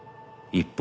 一方